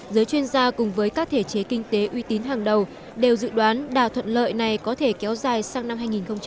giới chuyên gia cùng với các thể chế kinh tế uy tín hàng đầu đều dự đoán đà thuận lợi này có thể kéo dài sang năm hai nghìn hai mươi